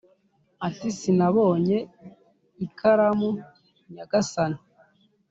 ati sinabonye ikaramu nyagasani